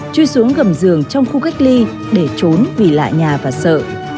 chui xuống gầm giường trong khu cách ly để trốn vì lạ nhà và sợ